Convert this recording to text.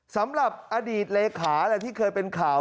สำหรับอดีตเลขาที่เคยเป็นข่าว